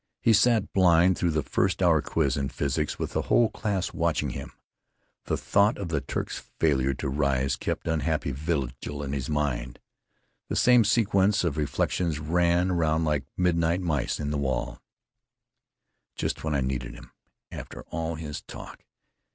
He sat blind through the first hour quiz in physics, with the whole class watching him. The thought of the Turk's failure to rise kept unhappy vigil in his mind. The same sequence of reflections ran around like midnight mice in the wall: "Just when I needed him.... After all his talk....